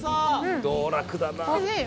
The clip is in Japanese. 道楽だな。